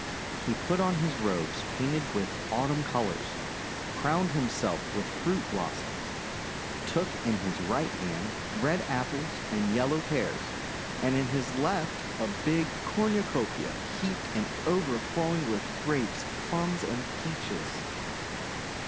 He put on his robes painted with Autumn colours, crowned himself with fruit blossoms, took in his right hand red Apples and yellow Pears, and hi his left a big cornucopia heaped to overflowing with Grapes, Plums, and Peaches.